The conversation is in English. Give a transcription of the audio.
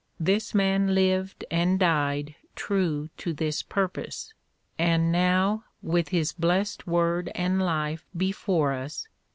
This man lived and died true to this purpose ; and now with His blessed word and life before us.